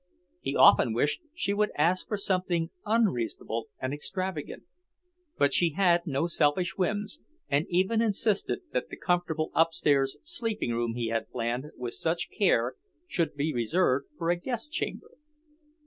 He often wished she would ask for something unreasonable and extravagant. But she had no selfish whims, and even insisted that the comfortable upstairs sleeping room he had planned with such care should be reserved for a guest chamber.